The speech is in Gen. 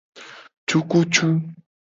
Cukucu.